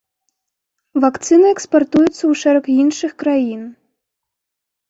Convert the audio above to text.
Вакцына экспартуюцца ў шэраг іншых краін.